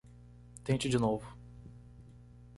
Tente de novo.